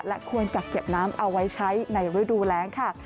และควรกักเก็บน้ำเอาไว้ใช้ในฤดูแรงค่ะ